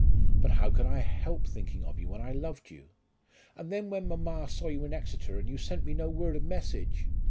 "But how could I help thinking of you when I loved you?" "And then when mamma saw you in Exeter, and you sent me no word of message!"